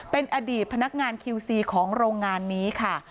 เป็นอดีตพนักงานคิวซีของโรงงานนี้ค่ะ